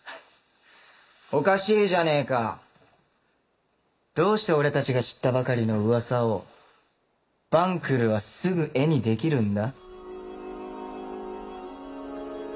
おかしいじゃねぇかどうして俺たちが知ったばかりの噂を晩来はすぐ絵にできるんだ？